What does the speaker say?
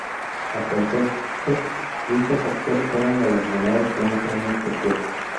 Hasta entonces, dichas actores eran galardonados con un premio especial.